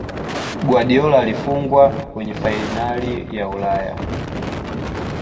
Guardiola alifungwa kwenye fainali ya Ulaya